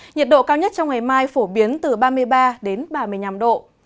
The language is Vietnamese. nhiệt độ cao nhất trong ngày mai phổ biến từ ba mươi ba đến ba mươi năm độ